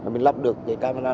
mình lắp được cái camera